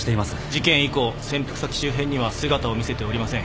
事件以降潜伏先周辺には姿を見せておりません。